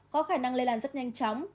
có khả năng lây lan rất nhanh chóng